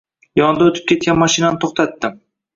Yonidan oʻtib ketgan mashinani toʻxtatdi.